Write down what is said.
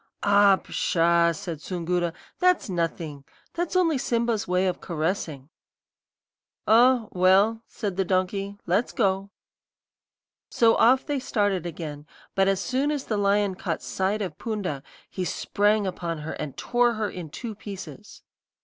"'Ah, pshaw!' said Soongoora; 'that's nothing. That's only Simba's way of caressing.' "'Oh, well,' said the donkey, 'let's go.' "So off they started again; but as soon as the lion caught sight of Poonda he sprang upon her and tore her in two pieces.